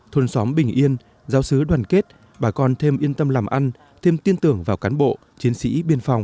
thôn xóm bình yên giáo sứ đoàn kết bà con thêm yên tâm làm ăn thêm tin tưởng vào cán bộ chiến sĩ biên phòng